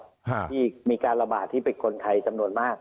ที่มีการระบาดที่เป็นคนไทยจำนวนมาก